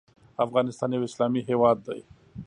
افغانستان یو اسلامی هیواد دی .